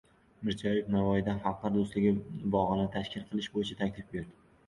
Mirziyoyev Navoiyda Xalqlar do‘stligi bog‘ini tashkil qilish bo‘yicha taklif berdi